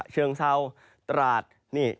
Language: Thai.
เชิงเศร้าตราดนี่